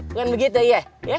bukan begitu ya